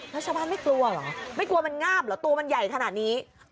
แล้วชาวบ้านไม่กลัวเหรอไม่กลัวมันงาบเหรอ